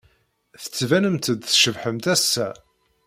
Tettbanemt-d tcebḥemt ass-a.